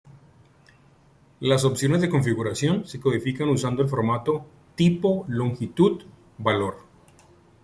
Las opciones de configuración se codifican usando el formato Tipo-Longitud-Valor.